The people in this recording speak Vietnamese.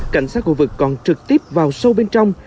cảnh sát khu vực còn trực tiếp vào sâu bên trong